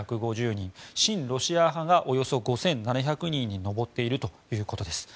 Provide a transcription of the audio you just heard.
親ロシア派がおよそ５７００人に上っているということです。